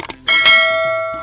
ya allah ya allah